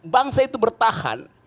bangsa itu bertahan